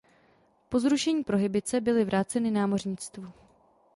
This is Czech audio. Po zrušení prohibice byly vráceny námořnictvu.